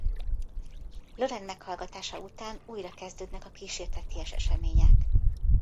Lauren meghallgatása után újra kezdődnek a kísérteties események.